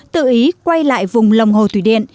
tự ý quay lại vùng lòng hồ thủy điện